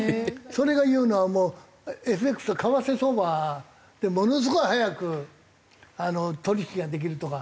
それが言うのはもうＦＸ為替相場でものすごい早く取引ができるとか。